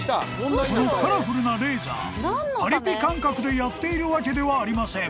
［このカラフルなレーザーパリピ感覚でやっているわけではありません］